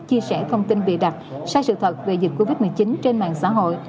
chia sẻ thông tin bịa đặt sai sự thật về dịch covid một mươi chín trên mạng xã hội